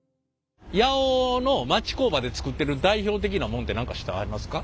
八尾の町工場で作ってる代表的なもんって何か知ってはりますか？